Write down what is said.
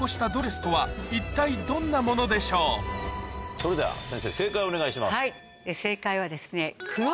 それでは先生正解をお願いします。